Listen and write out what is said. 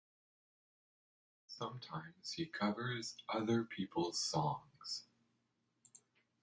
Sometimes he covers other people's songs.